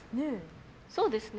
そうですね。